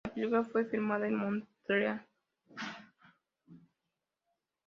La película fue filmada en Montreal.